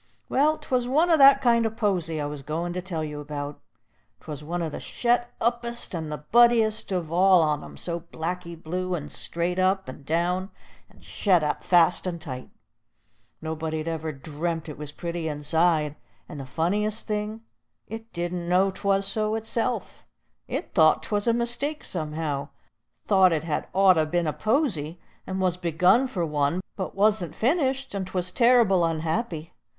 "Well, 'twas one o' that kind o' posy I was goin' to tell you about. 'Twas one o' the shet uppest and the buddiest of all on 'em, all blacky blue and straight up and down, and shet up fast and tight. Nobody'd ever dream't was pretty inside. And the funniest thing, it didn't know 'twas so itself! It thought 'twas a mistake somehow, thought it had oughter been a posy, and was begun for one, but wasn't finished, and 'twas terr'ble unhappy.